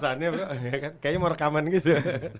kayaknya mau rekaman gitu